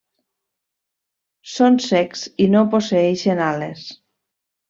Són cecs i no posseeixen ales.